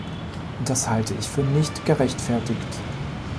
Das halte ich für nicht gerechtfertigt.